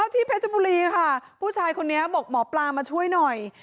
เพชรบุรีค่ะผู้ชายคนนี้บอกหมอปลามาช่วยหน่อย